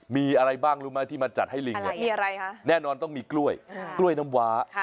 มีอะไรบ้างรู้ไหมที่มาจัดให้ลิงเนี่ยแน่นอนต้องมีกล้วยกล้วยน้ำว้า